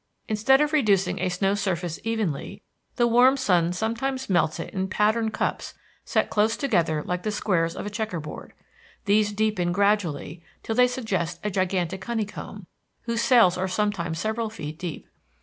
Instead of reducing a snow surface evenly, the warm sun sometimes melts it in patterned cups set close together like the squares of a checker board. These deepen gradually till they suggest a gigantic honeycomb, whose cells are sometimes several feet deep.